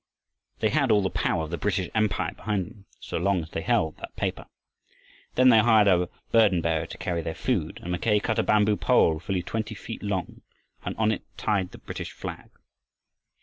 They had all the power of the British Empire behind them so long as they held that paper. Then they hired a burdenbearer to carry their food, and Mackay cut a bamboo pole, fully twenty feet long, and on it tied the British flag.